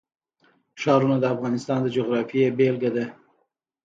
ښارونه د افغانستان د جغرافیې بېلګه ده.